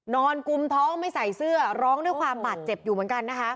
กุมท้องไม่ใส่เสื้อร้องด้วยความบาดเจ็บอยู่เหมือนกันนะคะ